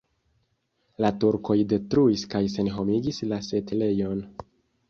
La turkoj detruis kaj senhomigis la setlejon.